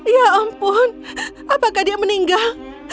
ya ampun apakah dia meninggal